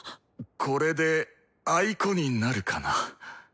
これで「あいこ」になるかな？